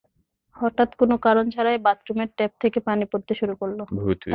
হঠাত্ কোনো কারণ ছাড়াই বাথরুমের ট্যাপ থেকে পানি পড়তে শুরু করল।